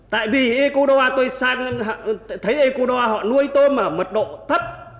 tại vì ecuador tôi thấy ecuador họ nuôi tôm ở mật độ thấp